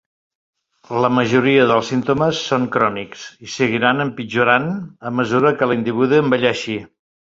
La majoria dels símptomes són crònics i seguiran empitjorant a mesura que l'individu envelleixi.